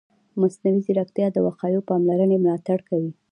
مصنوعي ځیرکتیا د وقایوي پاملرنې ملاتړ کوي.